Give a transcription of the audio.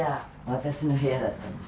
私の部屋だったんです。